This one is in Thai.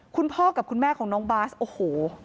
คุณพ่อกับคุณแม่ของน้องบาสโอ้โห